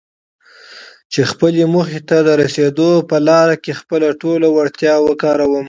چې خپلې موخې ته د رسېدو په لاره کې خپله ټوله وړتيا وکاروم.